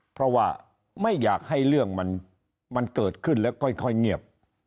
เพราะว่าไม่อยากให้เรื่องมันเกิดขึ้นแล้วค่อยเงียบ